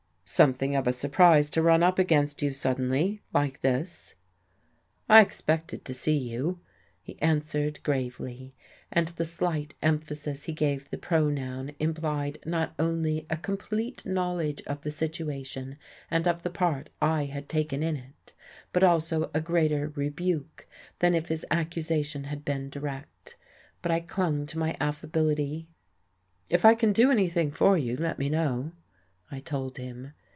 "Something of a surprise to run up against you suddenly, like this." "I expected to see you," he answered gravely, and the slight emphasis he gave the pronoun implied not only a complete knowledge of the situation and of the part I had taken in it, but also a greater rebuke than if his accusation had been direct. But I clung to my affability. "If I can do anything for you, let me know," I told him.